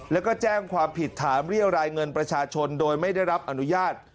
แล้วก็แจ้งความผิดฐานเรียวรายเงินประชาชนโดยไม่ได้รับอนุญาต